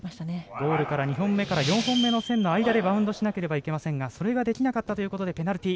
ゴールから２本目から４番目の線のところでバウンドしなければいけませんがそれができなかったことでペナルティー。